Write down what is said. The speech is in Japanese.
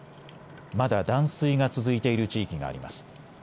まだ断水が続いている地域があります。